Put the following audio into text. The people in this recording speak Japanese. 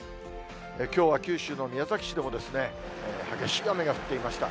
きょうは九州の宮崎市でも、激しい雨が降っていました。